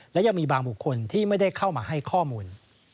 และยังมีบางบุคคลที่ไม่ได้เข้ามาให้ข้อมูล